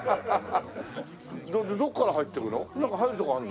どこから入っていくの？